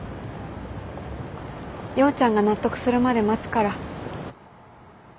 陽ちゃんが納得するまで待つから。